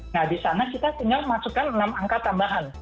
nah disana kita tinggal masukkan enam angka tambahan